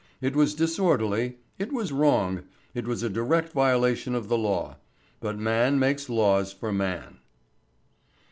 It was disorderly, it was wrong, it was a direct violation of the law, but man makes laws for man.